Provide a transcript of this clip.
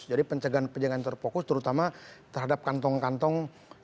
jadi pencegahan pencegahan yang terfokus terutama terhadap kantong kantong